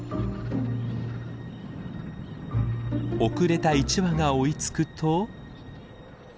遅れた１羽が追いつくと。